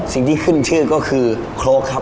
ที่ขึ้นชื่อก็คือโครกครับ